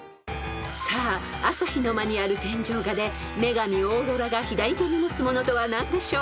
［さあ朝日の間にある天井画で女神オーロラが左手に持つものとは何でしょう？］